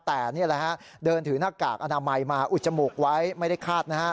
แต่เดินถือหน้ากากอนามัยมาอุดจมูกไว้ไม่ได้คาดนะครับ